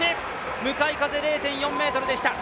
向かい風０．４メートルでした。